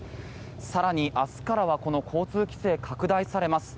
更に明日からはこの交通規制が拡大されます。